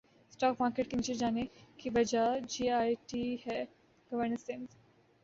stock market کے نیچے جانے کی وجہ جے ائی ٹی ہے گورنر سندھ